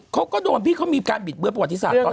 เขาก็โดนพี่เขามีการบิดเบื้อประวัติศาสตร์